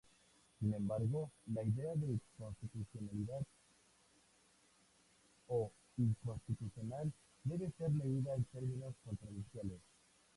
Sin embargo la idea de constitucionalidad o inconstitucional debe ser leída en terminos controversiales.